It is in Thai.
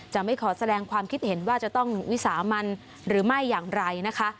ไม่ขอแสดงความคิดเห็นว่าจะต้องวิสามันหรือไม่อย่างไรนะคะ